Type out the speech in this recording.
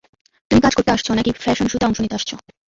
তুমি কাজ করতে আসছো নাকি ফ্যাশন শোতে অংশ নিতে আসছো?